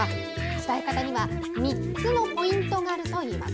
伝え方には３つのポイントがあるといいます。